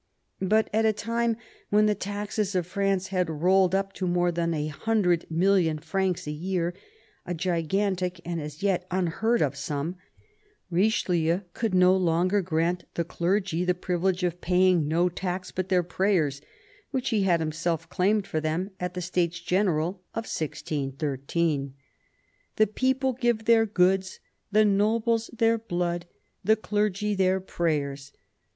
But at a time when the taxes of France had rolled up to more than a hundred million francs a year, a gigantic and as yet unheard of sum, Richelieu could no longer grant the clergy the privilege of paying no tax but their prayers, which he had himself claimed for them at the States General of 161 3. "The people give their goods, the nobles their blood, the clergy their prayers."